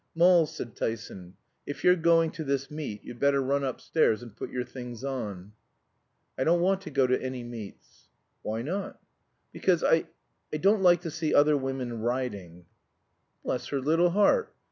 "Moll," said Tyson, "if you're going to this meet, you'd better run upstairs and put your things on." "I don't want to go to any meets." "Why not?" "Because I I don't like to see other women riding." "Bless her little heart!"